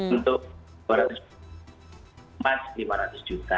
untuk dua ratus emas lima ratus juta